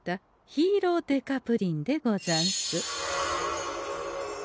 ヒーロー刑事プリンでござんす。